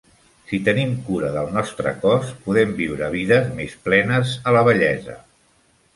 Si tenim cura del nostre cos, podem viure vides més plenes a la vellesa.